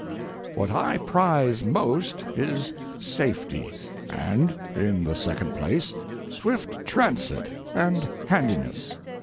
What I prize most is safety, and in the second place swift transit and handiness.